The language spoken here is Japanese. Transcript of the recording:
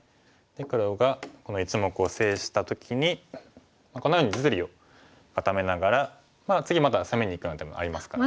黒がこの１目を制した時にこんなふうに実利を固めながら次まだ攻めにいくような手もありますからね。